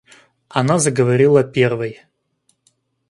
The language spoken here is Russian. Она заговорила первой.